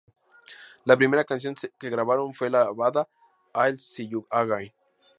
La primera canción que grabaron fue la balada, "I'll See You Again".